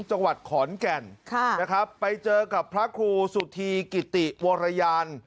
จังหวัดขอนแก่นนะครับไปเจอกับพระครูสุธีกิติวรยาน